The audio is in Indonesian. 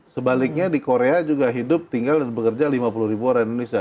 sebaliknya di korea juga hidup tinggal dan bekerja lima puluh ribu orang indonesia